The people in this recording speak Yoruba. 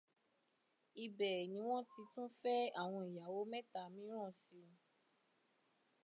Ibẹ̀ ni wọ́n ti tún fẹ́ àwọn ìyàwó mẹ́ta mìíràn síi.